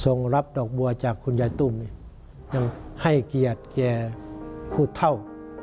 รับดอกบัวจากคุณยายตุ้มยังให้เกียรติแกพูดเท่า